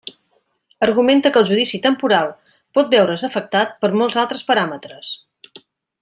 Argumenta que el judici temporal pot veure's afectat per molts altres paràmetres.